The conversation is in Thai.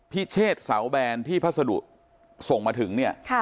พิเชศศาลแบรนดิ์ที่พัสดุส่งมาถึงเนี่ย